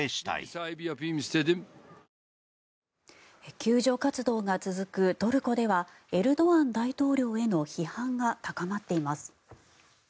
救助活動が続くトルコではエルドアン大統領への批判が高まっています。